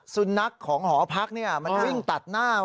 สุนัขของหอพักมันวิ่งตัดหน้า